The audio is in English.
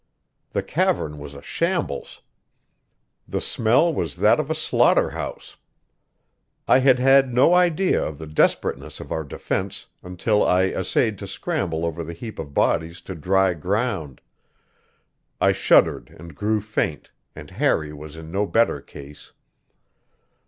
The cavern was a shambles. The smell was that of a slaughter house. I had had no idea of the desperateness of our defense until I essayed to scramble over the heap of bodies to dry ground; I shuddered and grew faint, and Harry was in no better case.